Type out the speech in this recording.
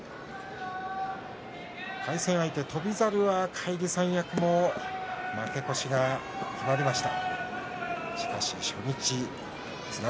対戦相手の翔猿は返り三役負け越しが決まりました。